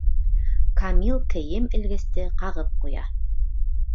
Камил кейем элгесте ҡағып куя.